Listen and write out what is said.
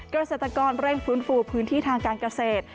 เกษตรกรเร่งฟื้นฟูพื้นที่ทางการเกษตร